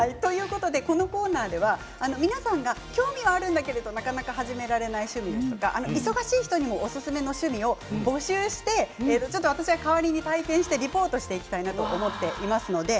このコーナーでは皆さんが興味はあるんだけど、なかなか始められない趣味や忙しい人にもおすすめの趣味を募集して、私が代わりに体験してリポートしていきたいなと思っています。